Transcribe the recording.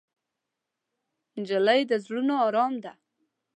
نجلۍ د زړونو ارام ده.